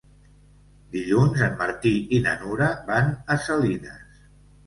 Dilluns en Martí i na Nura van a Salines.